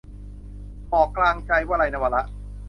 หมอกกลางใจ - วลัย นวาระ